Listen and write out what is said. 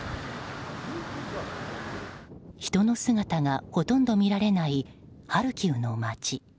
人の姿がほとんど見られないハルキウの街。